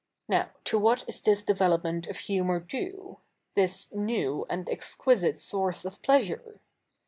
' Now, to what is this development of humour due — this new and exquisite source of pleasu?'e